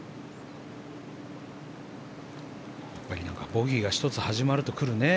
ボギーが１つ始まると来るね。